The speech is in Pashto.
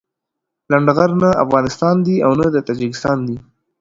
لنډغر نه افغانستان دي او نه د تاجيکستان دي.